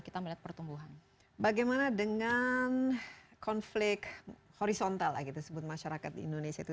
kita melihat pertumbuhan bagaimana dengan konflik horizontal lagi tersebut masyarakat indonesia itu